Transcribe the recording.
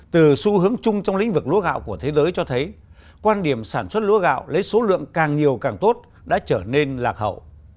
từ xu hướng chung trong lĩnh vực lúa gạo của thế giới cho thấy quan điểm sản xuất lúa gạo lấy số lượng càng nhiều càng tốt đã trở nên lạc hậu